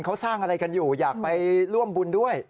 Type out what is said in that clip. เขาสร้างอะไรกันอยู่อยากไปร่วมบุญด้วย